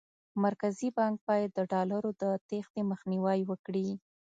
مرکزي بانک باید د ډالرو د تېښتې مخنیوی وکړي.